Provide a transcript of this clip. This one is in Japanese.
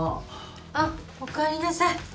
あっおかえりなさい。